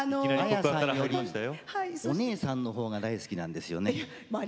島津さんのお姉さんのほうが好きなんですよね。